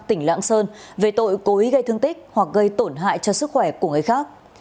tỉnh lạng sơn về tội cố ý gây thương tích hoặc gây tổn hại cho sức khỏe của người khác